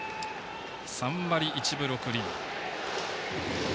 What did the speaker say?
３割１分６厘。